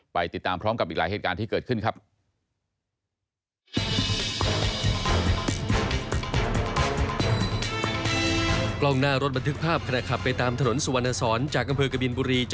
ไปติดตามพร้อมกับอีกหลายเหตุการณ์ที่เกิดขึ้นครับ